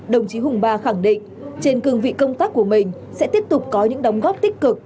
đồng chí hùng ba khẳng định trên cường vị công tác của mình sẽ tiếp tục có những đóng góp tích cực